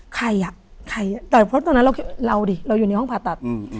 ใครอ่ะใครแต่เพราะตอนนั้นเราคิดเราดิเราอยู่ในห้องผ่าตัด